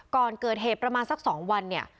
ก่อนเกิดเหตุประมาณสักสองวัน